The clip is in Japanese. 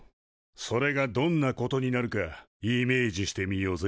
それがどんなことになるかイメージしてみようぜ。